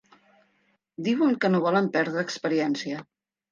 Diuen que no volen perdre experiència.